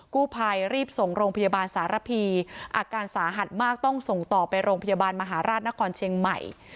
กู้ภัยรีบส่งโรงพยาบาลสารพีอาการสาหัสมากต้องส่งต่อไปโรงพยาบาลมหาราชนครเชียงใหม่